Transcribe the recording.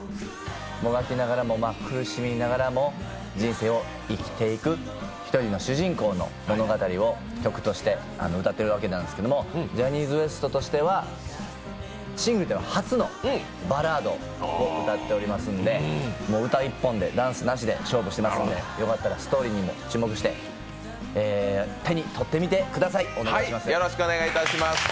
もがきながらも苦しみながらも人生を生きていく１人の主人公の物語を曲として歌っているわけなんですけど、ジャニーズＷＥＳＴとしてはシングルでは初のバラードを歌っておりますんで、歌一本で、ダンスなしで勝負しておりますので、よかったらストーリーにも注目して、手に取ってみてください。